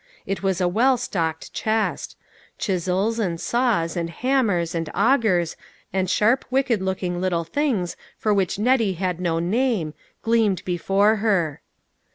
It was a well stocked chest. Ch is els, and saws, and hammers, and augers, and sharp, wicked looking little things for which Net tie had no name, gleamed before her.